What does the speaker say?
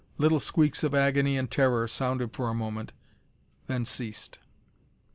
Little squeaks of agony and terror sounded for a moment, and ceased.